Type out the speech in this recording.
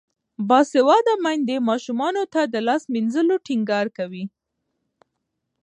باسواده میندې ماشومانو ته د لاس مینځلو ټینګار کوي.